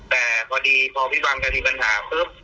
แต่พอดีพอพี่บังกันมีปัญหา